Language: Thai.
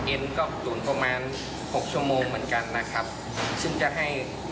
เองก็ตุ๋นประมาณหกชั่วโมงเหมือนกันนะครับซึ่งจะให้ความนุ่มนะครับ